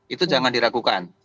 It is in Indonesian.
itu jangan diragukan